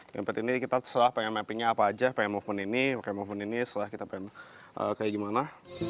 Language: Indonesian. yang penting ini kita setelah pengen mappingnya apa aja pengen movement ini pengen movement ini setelah kita pengen kayak gimana